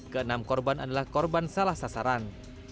ke enam korban adalah korban salah sasaran